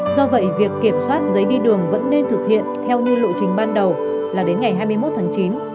do vậy việc kiểm soát giấy đi đường vẫn nên thực hiện theo như lộ trình ban đầu là đến ngày hai mươi một tháng chín